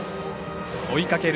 追いかける